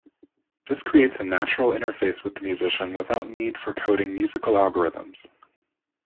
This creates a natural interface with the musician without need for coding musical algorithms.